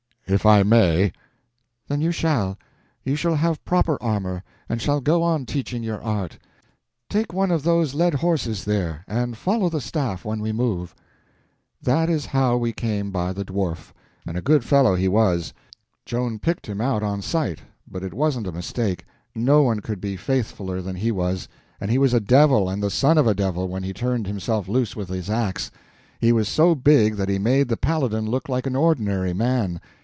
"If I may!" "Then you shall. You shall have proper armor, and shall go on teaching your art. Take one of those led horses there, and follow the staff when we move." That is how we came by the Dwarf; and a good fellow he was. Joan picked him out on sight, but it wasn't a mistake; no one could be faithfuler than he was, and he was a devil and the son of a devil when he turned himself loose with his ax. He was so big that he made the Paladin look like an ordinary man.